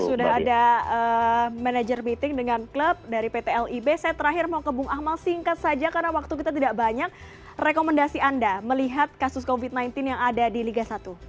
sudah ada manajer meeting dengan klub dari pt lib saya terakhir mau ke bung akmal singkat saja karena waktu kita tidak banyak rekomendasi anda melihat kasus covid sembilan belas yang ada di liga satu